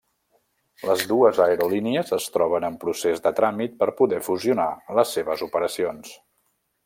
Les dues aerolínies es troben en procés de tràmit per poder fusionar les seves operacions.